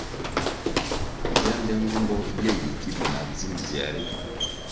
Yánde nğumbo ye yi ki be na dzim dzier ritu.